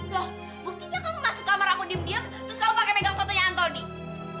loh buktinya kamu masuk kamar aku diem diem terus kamu pakai megang fotonya antoni